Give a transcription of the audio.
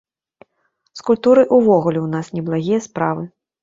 З культурай увогуле ў нас неблагія справы.